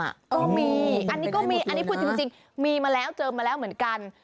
ก็มีอันนี้ก็มีอันนี้พูดจริงมีมาแล้วเจอมาแล้วเหมือนกัน